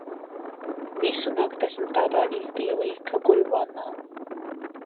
Visu nakti esmu tādā izbīlī, ka guļu vannā.